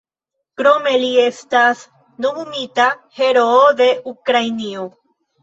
Krome li estas nomumita "Heroo de Ukrainio".